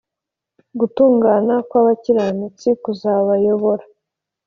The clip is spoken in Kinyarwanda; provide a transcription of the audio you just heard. gutungana kw’abakiranutsi kuzabayobora